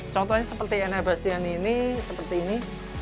contohnya seperti enea bastianini seperti ini